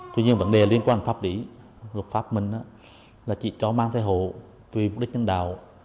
tuy nhiên vấn đề liên quan pháp lý luật pháp mình là chỉ cho mang thai hộ vì mục đích nhân đạo